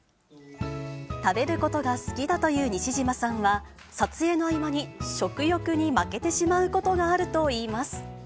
食べることが好きだという西島さんは、撮影の合間に食欲に負けてしまうことがあるといいます。